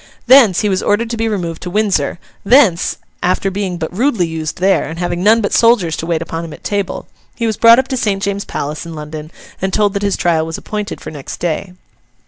Thence, he was ordered to be removed to Windsor; thence, after being but rudely used there, and having none but soldiers to wait upon him at table, he was brought up to St. James's Palace in London, and told that his trial was appointed for next day.